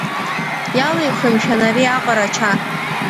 Иалеихи, мшәан, ари аҟара ача?